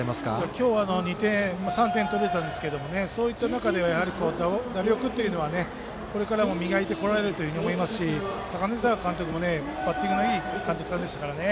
今日は３点、取られたんですけれどもそういった中では打力っていうのは、これからも磨いてこられると思いますし高根澤監督もバッティングのいい監督さんでしたからね